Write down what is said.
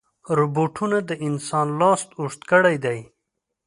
روبوټونه د انسان لاس اوږد کړی دی.